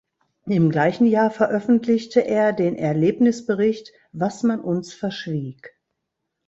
Im gleichen Jahr veröffentlichte er den Erlebnisbericht „Was man uns verschwieg.